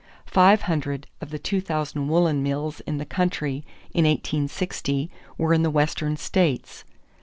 Five hundred of the two thousand woolen mills in the country in 1860 were in the Western states.